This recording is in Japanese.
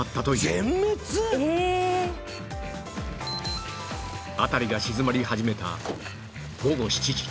えーっ！辺りが静まり始めた午後７時